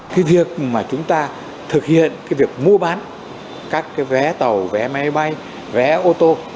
cái việc mà chúng ta thực hiện cái việc mua bán các cái vé tàu vé máy bay vé ô tô